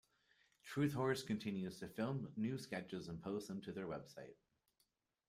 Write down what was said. Truthhorse continues to film new sketches and post them to their website.